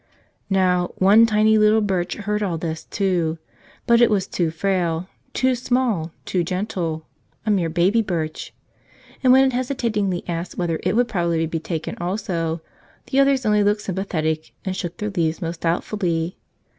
Now, one tiny little Birch heard all this, too; but it was too frail, too small, too gentle — a mere baby Birch. And when it hesitatingly asked whether it would prob¬ ably be taken also, the others only looked sympa¬ thetic and shook their leaves most doubtfully.